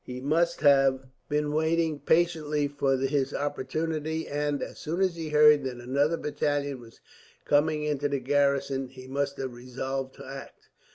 He must have been waiting patiently for his opportunity and, as soon as he heard that another battalion was coming into the garrison, he must have resolved to act.